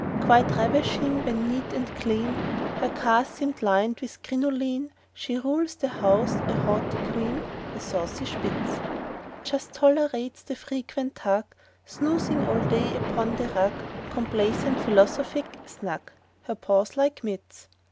Quite ravishing when neat and clean, Her cars seem lined with crinoline: She rules the house, a haughty queen, A saucy Spitz! Just tolerates the frequent hug— Snoozing all day upon the rug, Complacent, philosophic—snug, Her paws like mits.